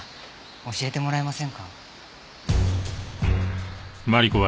教えてもらえませんか？